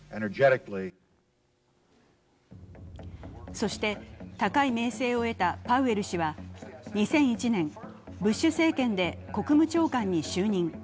そして高い名声を得たパウエル氏は２００１年、ブッシュ政権で国務長官に就任。